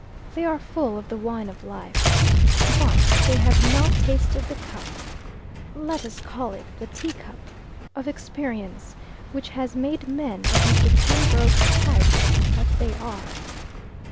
They are full of the wine of life. But they have not tasted the cup let us call it the teacup of experience, which has made men of Mr. Pembroke's type what they are.